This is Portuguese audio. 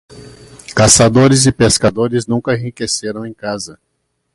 Caçadores e pescadores nunca enriqueceram em casa.